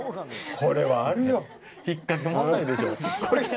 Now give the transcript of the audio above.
これはあるよ。